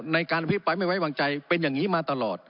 ในการอภิปรายไม่ไว้วางใจเป็นอย่างนี้มาตลอด